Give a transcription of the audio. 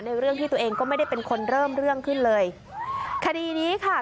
เรื่องที่ตัวเองก็ไม่ได้เป็นคนเริ่มเรื่องขึ้นเลยคดีนี้ค่ะ